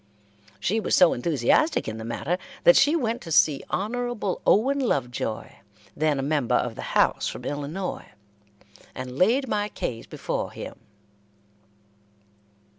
She was so enthusiastic in the matter that she went to see Hon. Owen Lovejoy, then a member of the House from Illinois, and laid my case before him.